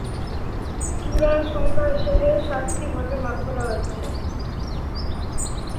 চূড়ার সংখ্যা হিসাবে একে সাতটি ভাগে ভাগ করা হয়েছে।